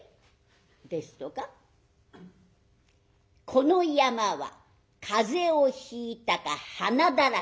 「この山はかぜをひいたかはなだらけ」。